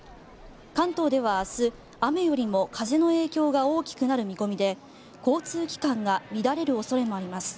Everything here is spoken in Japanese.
関東では明日、雨よりも風の影響が大きくなる見込みで交通機関が乱れる恐れもあります。